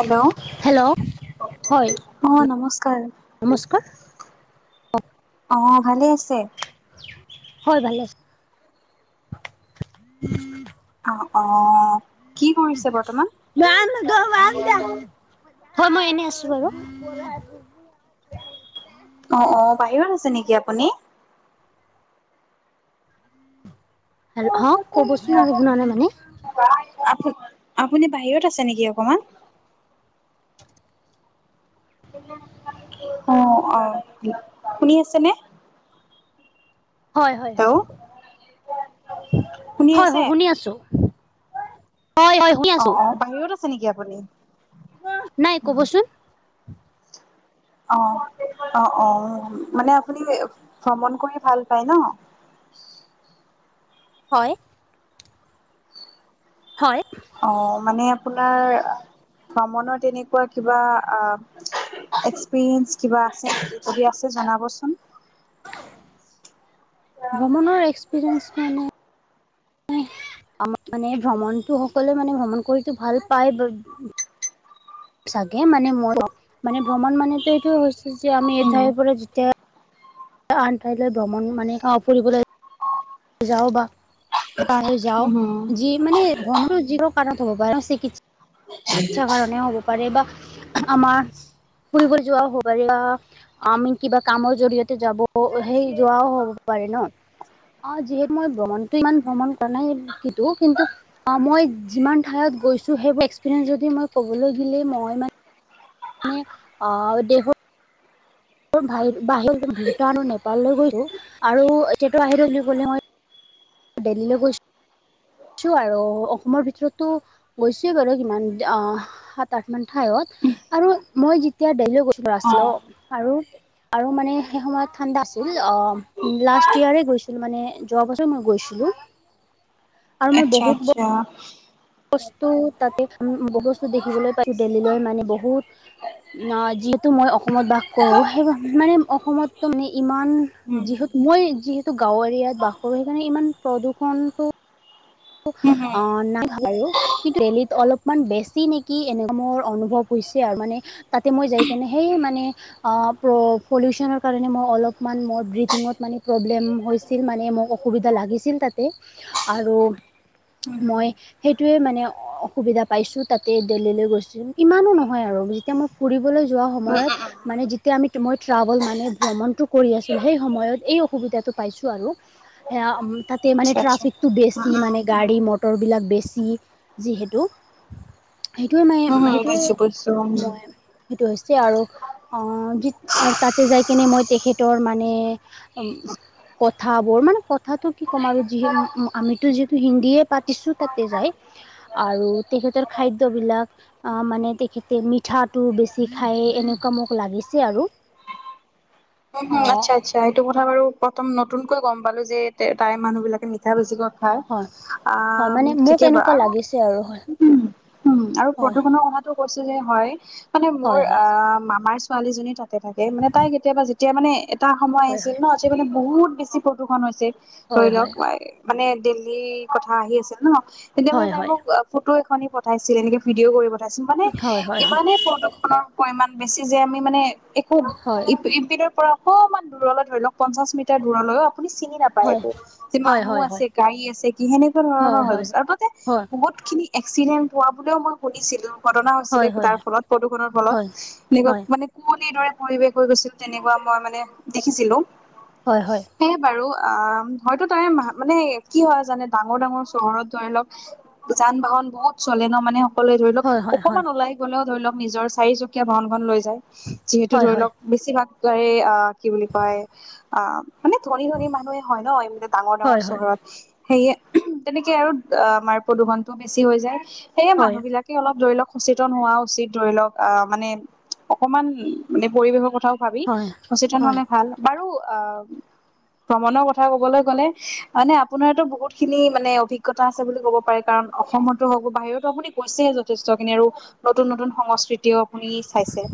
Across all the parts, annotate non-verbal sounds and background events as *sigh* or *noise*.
Hello hello হয় অ, নমস্কাৰ! নমস্কাৰ অ ভালে আছে? হয়, ভালে আছোঁ। অ, অ, কি কৰিছে বৰ্তমান? হয়, মই এনেই আছোঁ বাৰু। অ, অ বাহিৰত আছে নেকি আপুনি? হেল্ল' ক'বচোন আৰু শুনা নাই মানে। আপুনি বাহিৰত আছে নেকি অকমান? *unintelligible* অ, অ শুনি আছেনে? হয়, হয়! হেল্ল' শুনি হয়, আছে হয়, শুনি আছো। হয়, হয়! শুনি অ, আছো অ বাহিৰত আছে নেকি আপুনি? নাই ক'বচোন, অ, অ, অ মানে আপুনি ভ্ৰমণ কৰি ভাল পায় ন? হয়! হয়! অ, মানে আপোনাৰ ভ্ৰমণৰ তেনেকুৱা কিবা আহ এক্সপিৰিয়েঞ্চ কিবা আছে নেকি? যদি আছে জনাবচোন। ভ্ৰমণৰ এক্সপিৰিয়েঞ্চ মানে আমাৰ মানে, ভ্ৰমণটো সকলোৱে মানে ভ্ৰমণ কৰিতো ভাল পায়। চাগে মানে মোৰ মানে ভ্ৰমণ মানে এইটোয়ে টো হৈছে যে আমি এঠাইৰ পৰা যেতিয়া আন ঠাইলৈ ভ্ৰমণ মানে সে ফুৰিবলৈ যাও বা হেপাহে যাও উম হুম যি মানে ভ্ৰমণো যিকোনো কাৰণত হ'ব পাৰে চিকিৎ সা কাৰণে হ'ব পাৰে বা আমাৰ ফুৰিব যোৱা হ'বাৰে বা আমি কিবা কামৰ জৰিয়তে যাব সেই যোৱাও হ'ব পাৰে ন অ যিহেতু মই ভ্ৰমণ টো ইমান ভ্ৰমণ কৰা নাই কিন্তু, কিন্তু অ মই যিমান ঠাইয়ত গৈছোঁ সেইবোৰ এপিনে যদি মই ক'বলৈ গিলে মই মানে মানে আ দেশৰ বাহ বাহিৰত ভূটান আৰু নেপাললৈ গৈছো আৰু এতিয়া টো বাহিৰ গলে মই দেল্লীলে গৈছ ছো আৰু অসমৰ ভিতৰতো গৈছোয়ে বাৰু কিমান আহ সাত আঠ মান ঠাইয়ত আৰু মই যেতিয়া দেল্লী লৈ গৈছিলোঁ, অ আছিলো আৰু আৰু মানে সেই সময়ত ঠাণ্ডা আছিল অ লাষ্ট ইয়াৰে গৈছিলো মানে যোৱা বছৰে মই গৈছিলো আৰু মই আচ্ছা বহুত আচ্ছা বস্তু তাতে বস্তু দেখিবলৈ পাইছো দেল্লীলৈ মানে বহুত ন যিহেতু মই অসমত বাস কৰোঁ সেই মানে অসমতো মানে ইমান যিহেতু মই যিহেতু গাঁৱৰ এৰিয়াত বাস কৰো সেইকাৰণে ইমান প্ৰদূষণটো অ নাই *unintelligible* কিন্তু দেল্লীত অলপমান বেছি নেকি এনেকা মোৰ অনুভৱ হৈছে আৰু মানে তাতে মই যাই কেনে সেই মানে অ প পলিউশ্যন কাৰণে মই অলপমান মোৰ ব্ৰিথিঙত মানে প্ৰব্লেম হৈছ ছিল মানে মোক অসুবিধা লাগিছিল তাতে আৰু মই সেইটোৱে মানে অসুবিধা পাইছো তাতে দিল্লীলৈ গৈছো ইমানো নহয় আৰু এতিয়া মই ফুৰিবলৈ যোৱা সময়ত মানে যেতিয়া আমি মই ট্ৰাভেল মানে ভ্ৰমণটো কৰি আছিলোঁ সেই সময়ত এই অসুবিধাটো পাইছোঁ আৰু সেয়া তাত তে মানে ট্ৰাফিকটো উ বেছি মানে গাড়ী মটৰবিলাক বেছি যিহেতু সেইটোৱে মাই উ সেইটোৱে বুজিছো বুজিছো উ উম মই সেইটো হৈছে আৰু অ যিত তাতে যাই কিনে মই তেখেতৰ মানে কথাবোৰ মানে কথাটো কি ক'ম আৰু যিহে উ আমিতো যি হিন্দীয়ে পাতিছো তাতে যাই আৰু তেখেতৰ খাদ্যবিলাক আহ মানে তেখেতে মিঠাটো বেছি খাই এনেকুৱা মোক লাগিছে আৰু *unintelligible* কোন হয়, অঁ আচ্ছা আচ্ছা এইটো কথা বাৰু প্ৰথম নতুনকৈ গম পালো যে তাৰে মানুহ বিলাকে মিঠা বেছিকৈ খাই হয় আ হয় মানে মোক ঠিকেই বাৰু এনেকুৱা আৰু লাগিছে আৰু হয় উম উম আৰু হয় প্ৰদূষণৰ কথাত টো কৈছো যে হয় মানে মোৰ হয় হয় আহ মামাৰ ছোৱালীজনী তাতে থাকে মানে তাই কেতিয়াবা এতিয়া মানে এটা সময় হয় হয় আহিছিল ন যিমানে বহুত বেছি প্ৰদূষণ হৈছে ধৰি হয় হয় লওক মানে দিল্লীৰ কথা আহি আছিল ন তেতিয়া মানে হয় তাই হয় মোক ফটো এখনি পঠাইছিল এনেকে ভিডিঅ' কৰি পঠাইছিল মানে হয় হয় ইমানে প্ৰদূষৰ পৰিমাণ বেছি যে আমি মানে একো হয় ইপিনৰৰ পৰা অকণমান দূৰলৈ ধৰি লও পঞ্চাশ মিটাৰ দূৰলৈয়ো আপুনি চিনি নাপ পায় হয় একো যে হয় মানুহ হয় আছে গাড়ী আছে কি সেনেকুৱা হয় হয় ধৰণৰ হয় হৈ আৰু ততে হয় বহুত খিনি এক্সিডেন্ট হোৱা বুলিও মই শুনিছিলো। ঘটনা হৈছিলে হয় হয় তাৰ ফলত প্ৰদূষণৰ ফলত এনেকুৱা হয় মানে। কুঁৱলী দৰে পৰিৱেশ হৈ গৈছিল তেনেকুৱা মই মানে দেখিছিলোঁ। হয় হয়। সেইয়াই বাৰু অ হয়তো তাৰে মানে কি হয় জানে ডাঙৰ- ডাঙৰ চহৰত ধৰি লওক। যান - বাহন বহুত চলে ন মানে। অকলে ধৰি লওক, হয় হয় হয় অকমান ওলাই গলেও ধৰি লওক নিজৰ চাৰিচকীয়া বাহন খন লৈ যায় যিহেতু হয় হয় ধৰি লওক। বেছিভাগ অ'কি বুলি কয় অ' মানে ধনী- ধনী মানুহে হয় ন, মানে ডাঙৰ ডাঙৰ হয় হয় চহৰত। সেইয়ে তেনেকে আৰু আমাৰ প্ৰদূষণটো বেছি হৈ যায় সেইয়ে হয় মানুহ বিলাক। অলপ ধৰি লওক সচেতন হোৱা উচিত ধৰি লওক আহ মানে। অকমান মানে পৰিৱেশৰ কথাও ভাবি সচেতন হলে ভাল বাৰু আহ। ভ্ৰমণৰ কথা ক'বলৈ গ'লে মানে আপোনাতো বহুত খিনি মানে অভিজ্ঞতা। অভিজ্ঞতা আছে বুলি ক'ব পাৰি। কাৰণ অসমতো হওক বা বাহিৰতো আপুনি গৈছেই যথেষ্টখিনি আৰু। নতুন- নতুন সংস্কৃতিও আপুনি চাইছে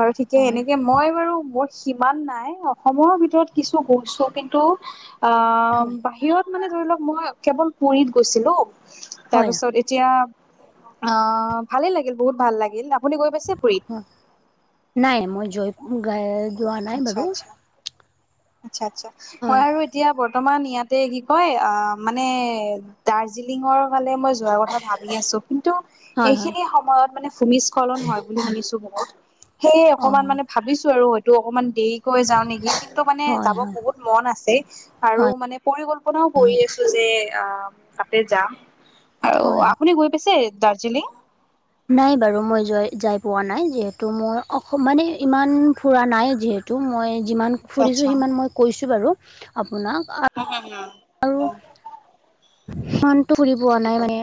আৰু ঠিকে এনেকে মই বাৰু। মোৰ সিমান নাই, অসমৰ ভিতৰত কিছু গৈছো কিন্তু আ হয় হয় বাহিৰত। মানে ধৰি লওক মই কেৱল পুৰীত গৈছিলো তাৰ হয় পিছত। এতিয়া অ ভালেই লাগিল বহুত ভাল লাগিল, আপুনি গৈ পাইছে পুৰীত? নাই মই গৈ পোৱা নাই আচ্ছা বাৰু। আচ্ছা আচ্ছা - আচ্ছা মই হয় আৰু এতিয়া বৰ্তমান ইয়াতে কি কয় মানে। দাৰ্জিলিঙ ফালে মই যোৱাৰ কথা ভাবি আছো। কিন্তু হয় হয় এইখিনি সময়ত মানে ভূমিস্খলন হয় বুলি শুনিছো বহুত। সেয়ে অঁ অকনমান মানে ভাবিছো আৰু হয়তটো অকনমান দেৰিকৈ যাওঁ নেকি কিন্তু মানে হয় যাব হয় বহুত। মন আছে। আৰু হয় মানে পৰিকল্পনাও কৰি আছো যে, আহ তাতে যাম। আৰু হয় হয় আপুনি গৈ পাইছে দাৰ্জিলিং? নাই বাৰু মই য- যাই পোৱা নাই যিহেতু মই অ মানে ইমান ফুৰা নাই যিহেতু। মই যিমান আচ্ছা ফুৰিছো আচ্ছা সিমান কৈছো বাৰু আপোনাক - *unintelligible* আৰু সিমানটো ফুৰি পোৱা ঠিকে নাই ঠিকে। মানে।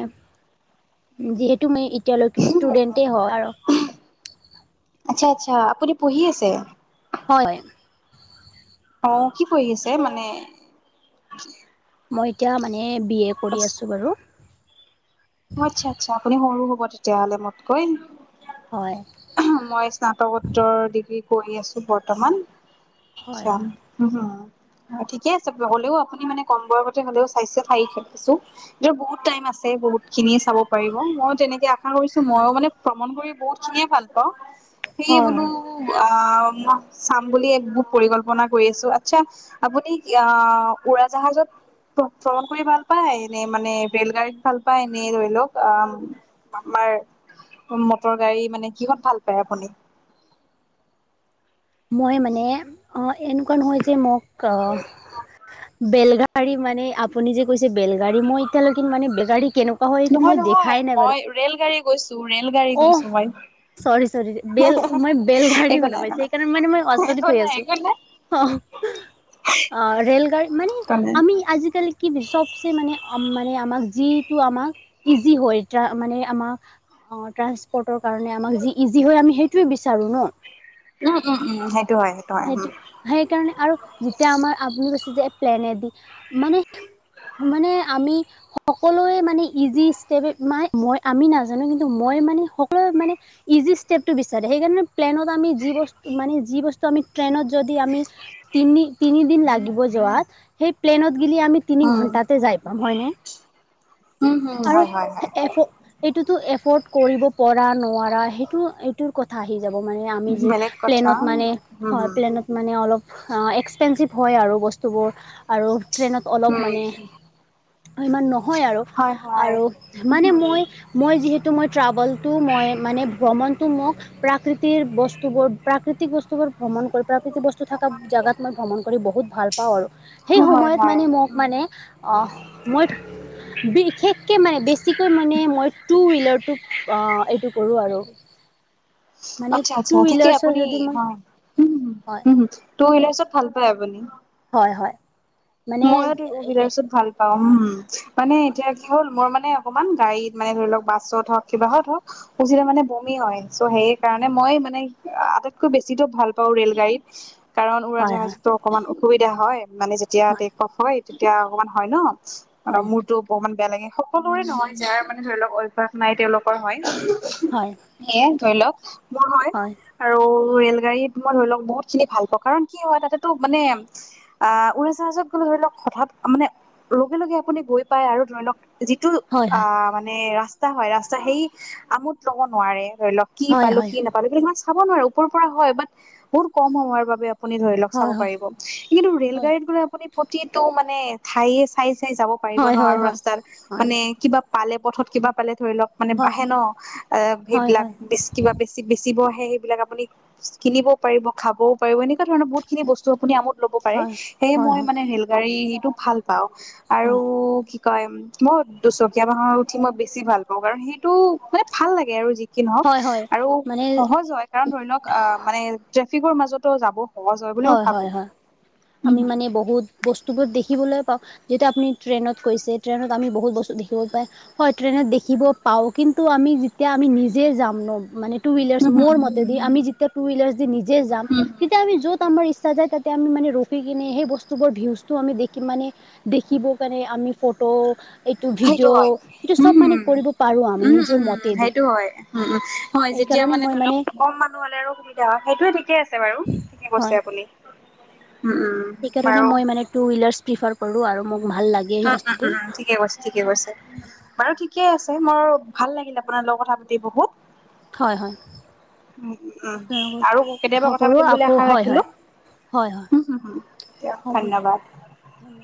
যিহেতু মই এতিয়ালৈকে ষ্টুডেন্টে হয় আৰু। আচ্ছা আচ্ছা আপুনি পঢ়ি আছে? হয়। অ' কি পঢ়ি আছে মানে? মই এতিয়া মানে বি এ অ কৰি আছোঁ বাৰু। আচ্ছা - আচ্ছা আপুনি সৰু হ'ব তেতিয়াহ'লে মোতকৈ। হয়। মই স্নাতকোত্তৰ ডিগ্ৰী কৰি আছো বৰ্তমান হয় হয় আচ্ছা। হু হয় ঠিকে আছে হ'লেও আপুনি মানে কম বয়সতে হ'লেও চাইছে *unintelligible* এই বহুত টাইম আছে বহুত। খিনিয়ে চাব পাৰিব, মইয়ো তেনেকে আশা কৰিছো হয় মইয়ো মানে ভ্ৰমণ কৰি বহুত খিনিয়ে ভাল পাওঁ। সেয়ে হয় বোলো হয় আহ মই চাম বুলিএ পৰিকল্পনা কৰি আছো আচ্ছা। আপুনি আহ উৰাজাহাজত। *unintelligible* কৰি ভাল পায় নে মানে বেল গাড়ী ভাল পায় এনে ধৰি লওক আহ আমাৰ। মটৰ গাড়ী মানে কিহত ভাল পায় আপুনি মই মানে অহ এনেকুৱা নহয় যে মোক‌ অহ বেলগাড়ী মানে আপুনি যে কৈছে বেলগাড়ী মই এতিয়ালৈকে মানে বেলগাড়ী কেনেক কেনেকুৱা হয় এইটো নহয় মই নহয় দেখাই নাই বাৰু মই ৰেল গাড়ী কৈছো ৰেল গাড়ী অ কৈছো চৰি চৰি বেল মই বেল-বেলগাড়ী একো শুনা নাই পাইছোঁ একো নাই সেইকাৰণে মানে মই একো আচৰিত হৈ নাই আছো একো অহ অহ ৰেলগাড়ী মানে নাই আমি আজিকালি কি যে সবচে মানে অম মানে আমাক যিটো আমাক ইজি হয় এতিয়া মানে আমাক অহ ট্ৰাচপৰ্টৰ কাৰণে আমাক যি ইজি হয় আমি সেইটোৱে বিচাৰোঁ ন উম উম উম সেইটো হয় সেইটো হয় উম সেইকাৰণে আৰু যেতিয়া আমাৰ আপুনি কৈছে যে প্লেনে দি মানে মানে আমি সকলোৱে মানে ইজি ষ্টেপ মাই মই আমি নাজানো কিন্তু কিন্ত মই মানে সকলোৱে মানে ইজি ষ্টেপটো বিচাৰে সেইকাৰণে প্লেনত আমি যি বস্তুতো মানে যি বস্তু আমি ট্ৰেইনত যদি আমি তিনি তিনিদিন লাগিব যোৱাত সেই প্লেনত গেলি আমি তিনি উম ঘণ্টাতে যায় পাম হয়নে উম হম আৰু হয় হয় হয় এফ এইটো এ ফৰ্ট কৰিব পৰা নোৱাৰা সেইটো তো কথা আহি যাব মানে আমি যি বেলেগ কথা প্লেনত উম মানে হম হয় প্লেনত মানে অলপ এক্সপেঞ্চিভ হয় আৰু বস্তুবোৰ আৰু ট্ৰেইনত উম অলপ মানে ইমান নহয় আৰু হয় হয় আৰু মানে মই মই যিহেতু তো মই ট্ৰাভেলটো মই মানে ভ্ৰমণটো মোক প্ৰাকৃতিৰ বস্তুবোৰ প্ৰাকৃতিক বস্তুবোৰ ভ্ৰমণ কৰি প্ৰাকৃতিক বস্তু থকা জাগাত মই ভ্ৰমণ কৰি বহুত ভাল পাওঁ আৰু সেই উম হয় সময়ত হয় মানে মোক মানে অহ মই বিশেষকে মানে বেছিকৈ মানে মই টুুহিলাৰ- তোক অহ এইটো কৰো আৰু মানে টুহিলাৰ্চৰ যদি মই হয় উহু হুম টুহিলাৰচত ভাল পায় আপুনি হয় হয় মানে মই টুহিলাচৰত ভাল পাওঁ হুম মানে এতিয়া কি হ'ল মোৰ মানে অকণমান গাড়ীত মানে ধৰি লওঁক বাছত হওঁক কিবাহত হক উঠিলে মানে বমি হয় চৌ' সেই কাৰণে মই মানে আটাইতকৈ বেছিতো ভাল পাওঁ ৰেল গাড়ীত কাৰণ উৰা হয় হয় জাহাজতো অকমান অসুবিধা হয় মানে যেতিয়া হয় তেতিয়া অকমান হয় ন মানে হয় মূৰটো ব অকমান বেয়া লাগে সকলোৰে নহয় যাৰ মানে ধৰি লওঁক অভ্যয়াস নাই তেওঁলোকৰ হয় হয় ইয়ে ধৰি লওক মোৰ হয় আৰু ৰেল গাড়ীত মই ধৰি লওক বহুত খিনি ভাল পাওঁ কাৰণ কি হয় তাতেতো মানে আহ উৰাজাহাজ কোনো ধৰি লওঁক হঠাৎ মানে লগে লগে আপুনি গৈ পায় আৰু ধৰি লওঁক যিটো হয় হয় হয় আহ মানে ৰাস্তা হয় ৰাস্তা সেই আমোদ লব নোৱাৰে ধৰি লওঁক কি হয় পালোঁ হয় কি নাপালোঁ এই ইমান চাব নোৱাৰে ওৰৰ পৰা হয় বাট বহুত কম সময়ৰ বাবে আপুনি ধৰি লওঁক চাব হয় হয় পাৰিব কিন্তু ৰেল হয় গাড়ীত গলে আপুনি প্ৰতিটো মানে ঠায়ে চাই চাই যাব পাৰিব হয় ন হয় আৰু হয় ৰাস্তাত মানে কিবা পালে পথত কিবা পালে ধৰি লওঁক মানে হয় বাঢ়ে ন এই হয় সেইবিলাক হয় কিবা বেচি বেচিব আহে সেইবিলাক আপুনি কিনিবও পাৰিব খাবও পাৰিব এনেকুৱা ধৰণৰ বহুত খিনি বস্তু আপুনি আমোদ ল'ব পাৰে হয় হয় সেয়ে হয় মই হয় মানে ৰেল গাড়ীটো ভাল পাওঁ আৰু হয় কি কয় মই দুচকীয়া বাহৰ উঠি মই বেছি ভাল পাওঁ কাৰণ সেইটো মানে ভাল লাগে আৰু যি কি নহওক হয় হয় আৰু মানে সহজ হয় কাৰণ ধৰি লওক আহ মানে ট্ৰেফিকৰ মাজতো যাব সহজ বুলি মই হয় ভাবো হয় হয় উম আমি মানে বহুত বস্তুবোৰ দেখিবলৈ পাওঁ। যেতিয়া আপনি ট্ৰেইনত কৈছে ট্ৰেইনত আমি বহুত বস্তু দেখিব পায়। হয় ট্ৰেনত দেখিব পাও কিন্তু আমি যেতিয়া আমি নিজে যাম ন মানে টু হম ওইলাৰ্চ উম মোৰ হম মতেদি আমি যেতিয়া টু ওইলাৰ্চ দি নিজে যাম উম হম তেতিয়া আমি য'ত তা আমাৰ ইচ্ছা যায় তাতে আমি মানে ৰখি কিনে সেই বস্তুবোৰ ভীউজটো আমি দেখিম মানে দেখিব কাৰণে আমি ফট এইটো সেইটো ভিডিঅ' হয় সেইটো উম চব মানে হম। কৰিব পাৰো আমি উম নিজৰ উম মতেদি। সেইটো হয় উম উম হয় যেতিয়া এইকাৰণে মানে মই ধৰি লওক কম মানুহ হ'লে আৰু সুবি ধা সেইটোয়ে ঠিকে আছে বাৰু ঠিকে কৈছে হয় আপুনি উম উম। সেইকাৰণে বাৰু মই মানে টু ওইলাৰ প্ৰিফাৰ কৰো আৰু মোক ভাল লাগে উম উম সেই উম বস্তুটো। উম ঠিকে কৈছে ঠিকে কৈছে, বাৰু ঠিকে আছে মোৰ ভাল লাগিল আপোনাৰ লগৰ কথা পাতি বহুত। হয় হয়। উম উম আপোনালোকৰ আৰু আশা কেতিয়াবা কথা কৰোঁ পাতিম বুলি আকৌ আশা হয় হয় ৰাখিলো। হয় হয় ওহুহু দিয়ক ধন্যবাদ। ধন্য